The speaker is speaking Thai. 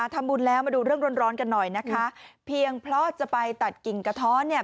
ทำบุญแล้วมาดูเรื่องร้อนร้อนกันหน่อยนะคะเพียงเพราะจะไปตัดกิ่งกระท้อนเนี่ย